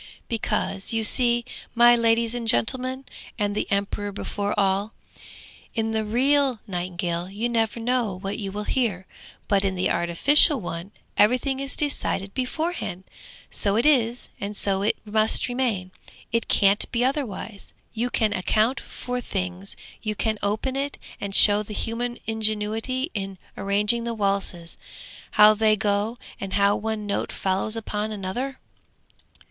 'Because you see, my ladies and gentlemen, and the emperor before all, in the real nightingale you never know what you will hear, but in the artificial one everything is decided beforehand! So it is, and so it must remain, it can't be otherwise. You can account for things, you can open it and show the human ingenuity in arranging the waltzes, how they go, and how one note follows upon another!'